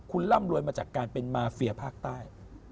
คุณร่ำรวยมาจากการเป็นมาเฟียภาคใต้